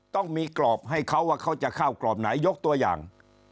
ต้องมีกรอบให้เขาว่าเขาจะเข้ากรอบไหนยกตัวอย่าง